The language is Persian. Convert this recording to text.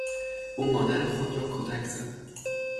او مادر خود را کتک زد.